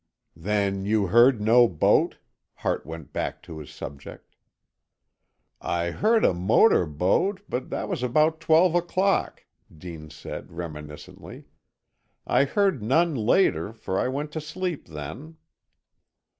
"Then you heard no boat?" Hart went back to his subject. "I heard a motor boat, but that was about twelve o'clock," Dean said, reminiscently. "I heard none later, for I went to sleep then."